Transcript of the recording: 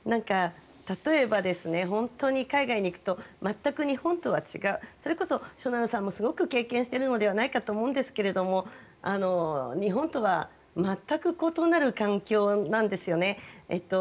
例えば、海外に行くと全く日本とは違うそれこそしょなるさんもすごく経験しているのではないかと思うんですが日本とは全く異なる環境なんですよね。